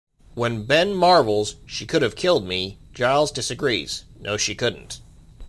When Ben marvels, "She could have killed me", Giles disagrees: "No she couldn't.